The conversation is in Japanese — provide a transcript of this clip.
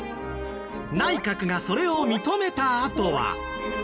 内閣がそれを認めたあとは。